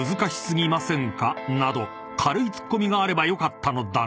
［など軽いツッコミがあればよかったのだが］